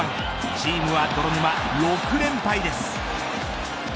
チームは泥沼６連敗です。